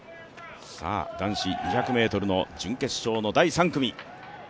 男子２００ｍの準決勝の第３組。